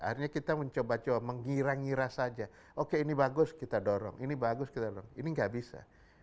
akhirnya kita mencoba coba menggira ngira saja oke ini bagus kita dorong ini bagus kita dorong ini nggak bisa